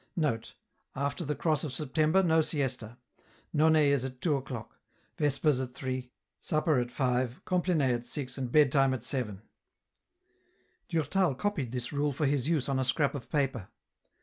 Note. — After the Cross of September, no siesta. None is at 2 o'clock ; Vespers at 3 ; Supper at 5 ; Compline at 6 and bed time at 7. Durtal copied this rule for his use on a scrap of paper.